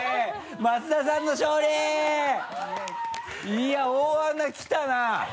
いや大穴来たな。